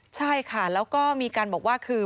ใช่ค่ะแล้วก็มีการบอกว่าคือ